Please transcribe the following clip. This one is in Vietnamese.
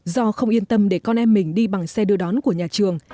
do không yên tâm để con em mình đi bằng xe đưa đón của nhà trường